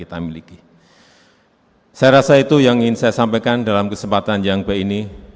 saya rasa itu yang ingin saya sampaikan dalam kesempatan yang baik ini